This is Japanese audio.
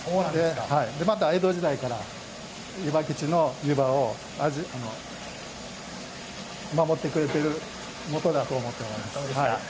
また江戸時代から湯波吉の湯葉を守ってくれているもとだと思ってます。